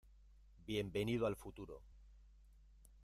bienvenido al futuro.